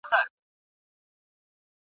وزیرانو به خپل سفارتونه پرانیستي وه.